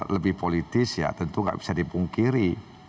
lebih politis ya tentu nggak bisa dipungkiri